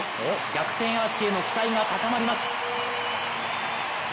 逆転アーチへの期待が高まります。